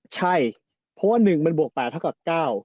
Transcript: ใช่เพราะว่า๑มันบวก๘เท่ากับ๙